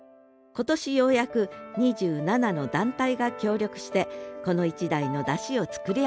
今年ようやく２７の団体が協力してこの１台の山車を作り上げました。